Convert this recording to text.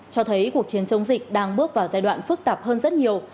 cho thấy cuộc chiến chống dịch đang bước vào giai đoạn phức tạp hơn rất nhiều